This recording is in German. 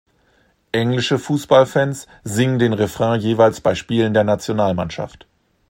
Englische Fußballfans singen den Refrain jeweils bei Spielen der Nationalmannschaft.